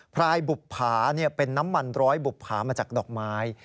พลายบุภาเป็นน้ำมันร้อยบุภามาจากดอกไม้